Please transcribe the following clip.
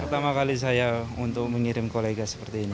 pertama kali saya untuk mengirim kolega seperti ini